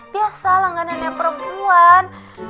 biasa langganannya perempuan